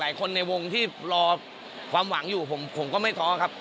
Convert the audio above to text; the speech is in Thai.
ในวงที่รอความหวังอยู่ผมก็ไม่ท้อครับ